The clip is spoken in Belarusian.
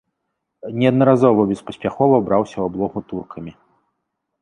Неаднаразова беспаспяхова браўся ў аблогу туркамі.